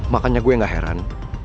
makanya gue gak heran